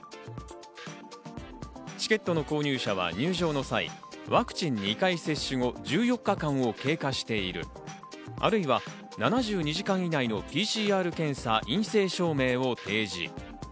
チケットの購入者は入場の際、ワクチンを２回接種後、１４日間を経過している、或いは７２時間以内のＰＣＲ検査陰性証明を提示。